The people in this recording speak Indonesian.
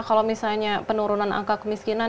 kalau misalnya penurunan angka kemiskinan